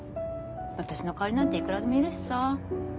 私の代わりなんていくらでもいるしさ。